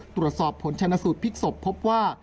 ตรวจสอบผลชนะสูตรพลิกศพพบว่า